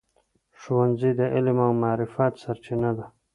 ښوونځی د علم او معرفت سرچینه ده.